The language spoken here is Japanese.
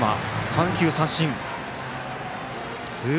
三球三振。